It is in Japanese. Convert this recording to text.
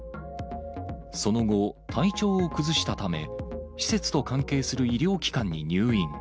その後、体調を崩したため、施設と関係する医療機関に入院。